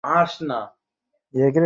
গতরাতে যখন খুন হয় তখন আসোনি কেন?